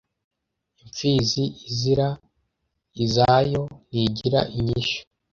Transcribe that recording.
impfizi izira izayontigira inyishyu